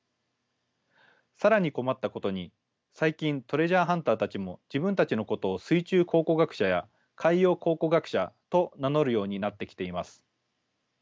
更に困ったことに最近トレジャーハンターたちも自分たちのことを水中考古学者や海洋考古学者と名乗るようになってきています。